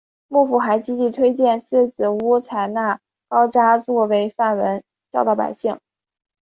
幕府还积极推荐寺子屋采纳高札作为范文教导百姓。